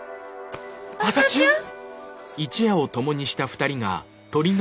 朝チュン！